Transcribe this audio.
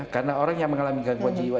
karena orang yang mengalami gangguan jiwa